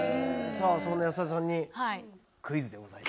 そんな安田さんにクイズでございます。